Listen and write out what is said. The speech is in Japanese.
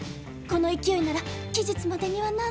この勢いなら期日までにはなんとか。